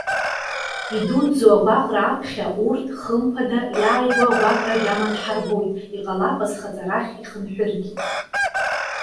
Идуӡӡоу агәаҟра аԥхьа, урҭ, хымԥада, иааигәоу агәаҟра агьама дҳарбоит. Иҟалап азхаҵарахь ихынҳәыргьы.